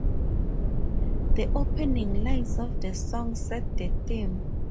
The opening lines of the song set the theme.